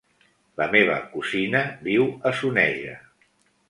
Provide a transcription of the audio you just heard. La meva cosina viu a Soneja.